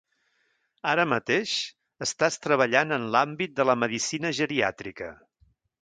Ara mateix estàs treballant en l’àmbit de la medicina geriàtrica.